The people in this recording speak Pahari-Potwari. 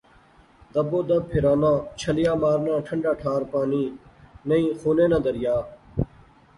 ربو دب پھرانا، چھلیا مارنا ٹھںڈا ٹھار پانی، نئیں خونے ناں دریا